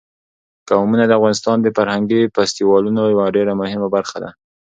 قومونه د افغانستان د فرهنګي فستیوالونو یوه ډېره مهمه برخه ده.